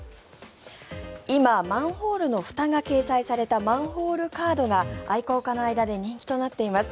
今、マンホールのふたが掲載されたマンホールカードが愛好家の間で人気となっています。